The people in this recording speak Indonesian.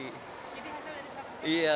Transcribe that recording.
jadi hasilnya dipakai